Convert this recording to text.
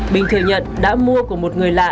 bình thừa nhận đã mua của một người lạ